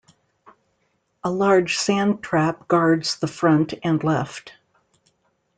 A large sand trap guards the front and left.